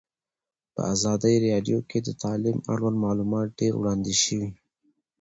په ازادي راډیو کې د تعلیم اړوند معلومات ډېر وړاندې شوي.